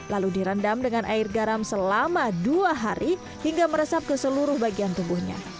lalu direndam dengan air garam selama dua hari hingga meresap ke seluruh bagian tubuhnya